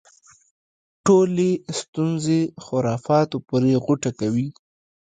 ټولې ستونزې خرافاتو پورې غوټه کوي.